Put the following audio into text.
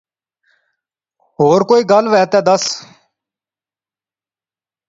ہور کوئی گل وے دے دس